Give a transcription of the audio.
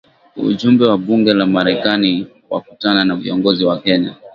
Ujumbe wa bunge la Marekani wakutana na viongozi wa Kenya